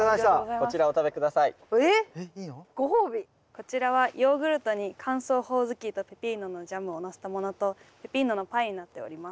こちらはヨーグルトに乾燥ホオズキとペピーノのジャムをのせたものとペピーノのパイになっております。